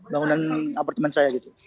bangunan apartemen saya gitu